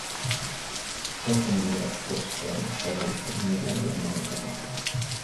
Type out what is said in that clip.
Ehkä ne eivät koskaan saalista näin lähellä maankamaraa.